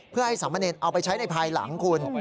เพื่อให้สามเณรเอาไปใช้ในภายหลังคุณ